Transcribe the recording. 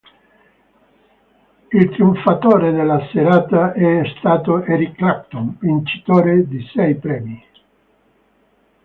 Il trionfatore della serata è stato Eric Clapton, vincitore di sei premi.